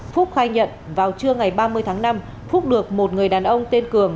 phúc khai nhận vào trưa ngày ba mươi tháng năm phúc được một người đàn ông tên cường